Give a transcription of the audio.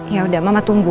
yaudah mama tunggu